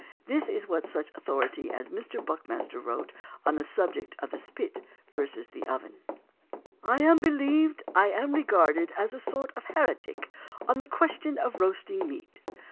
This is what such an authority as Mr. Buckmaster wrote on the subject of the spit versus the oven: "I believe I am regarded as a sort of heretic on the question of roasting meat.